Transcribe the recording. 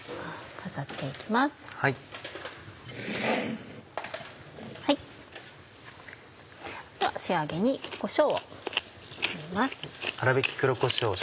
あと仕上げにこしょうを振ります。